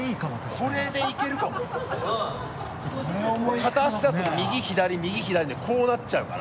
片足だと右左右左でこうなっちゃうから。